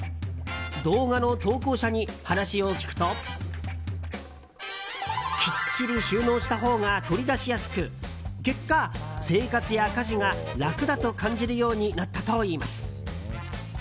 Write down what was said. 動画の投稿者に話を聞くときっちり収納したほうが取り出しやすく結果、生活や家事が楽だと感じるようになったといいます。